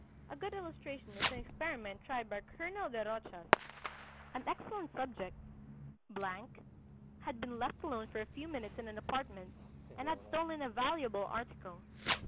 A good illustration is an experiment tried by Colonel de Rochas: "An excellent subject had been left alone for a few minutes in an apartment, and had stolen a valuable article.